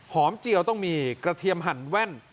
เจียวต้องมีกระเทียมหั่นแว่น